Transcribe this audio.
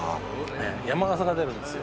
山笠が出るんですよ。